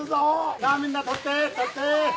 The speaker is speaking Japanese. さぁみんな取って取って。